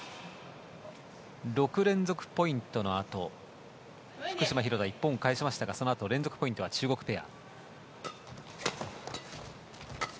６連続ポイントのあと福島、廣田１点を返しましたがそのあと連続ポイントは中国ペア。